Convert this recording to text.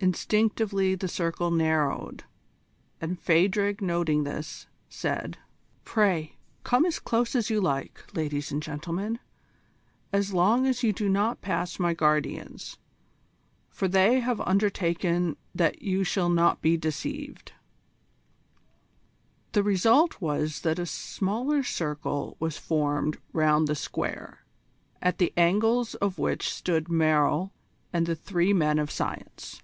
Instinctively the circle narrowed, and Phadrig noting this, said: "Pray, come as close as you like, ladies and gentlemen, as long as you do not pass my guardians, for they have undertaken that you shall not be deceived." The result was that a smaller circle was formed round the square, at the angles of which stood Merrill and the three men of science.